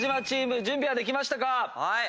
チーム準備はできましたか？